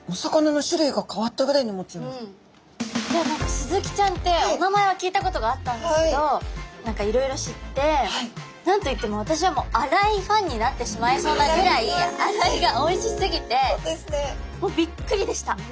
いや何かスズキちゃんってお名前は聞いたことがあったんですけど何かいろいろ知って何と言っても私はもう洗いファンになってしまいそうなぐらい洗いがおいしすぎてもうびっくりでした。